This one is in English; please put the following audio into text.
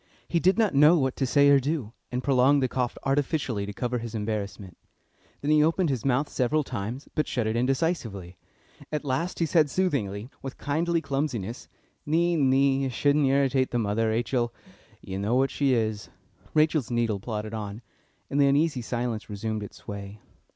He did not know what to say or do, and prolonged the cough artificially to cover his embarrassment. Then he opened his mouth several times, but shut it indecisively. At last he said soothingly, with kindly clumsiness: "Nee, nee; you shouldn't irritate the mother, Rachel. You know what she is." Rachel's needle plodded on, and the uneasy silence resumed its sway.